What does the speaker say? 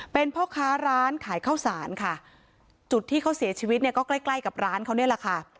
เป็นพ่อค้าร้านขายข้าวสารค่ะจุดที่เขาเสียชีวิตเนี่ยก็ใกล้ใกล้กับร้านเขาเนี่ยแหละค่ะ